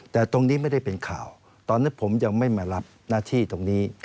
แต่ตรงนี้ไม่ได้เป็นข่าวตอนนั้นผมยังไม่มารับหน้าที่ตรงนี้